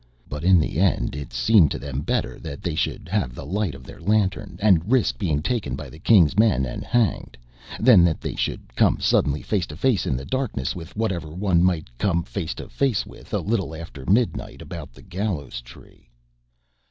But in the end it seemed to them better that they should have the light of their lantern, and risk being taken by the King's men and hanged, than that they should come suddenly face to face in the darkness with whatever one might come face to face with a little after midnight about the Gallows Tree.